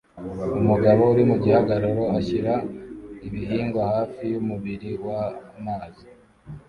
Umugabo uri mu gihagararo ashyira ibihingwa hafi yumubiri wamazi